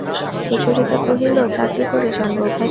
সুচরিতা কহিল, তা কি করে জানব ভাই!